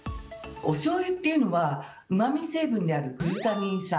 おしょうゆっていうのはうまみ成分であるグルタミン酸